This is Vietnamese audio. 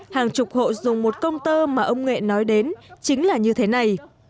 hàng chục hộ dùng một công tơ mà ông nghệ nói đến chính là như thế này